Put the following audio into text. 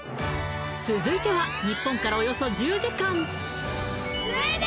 続いては日本からおよそ１０時間